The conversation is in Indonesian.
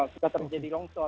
sudah terjadi longsor